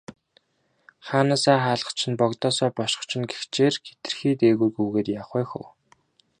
Хаанаасаа хаалгач нь, богдоосоо бошгоч нь гэгчээр хэтэрхий дээгүүр гүйгээд яах вэ хөө.